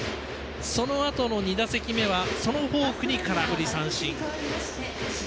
そのあとの２打席目はそのフォークに空振り三振。